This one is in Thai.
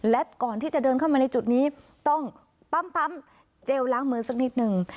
และก่อนที่จะเดินเข้ามาในจุดนี้ต้องปั๊มเจลล้างมือสักนิดนึง